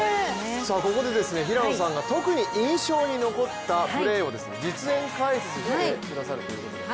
ここで平野さんが特に印象に残ったプレーを実演解説してくださるということで。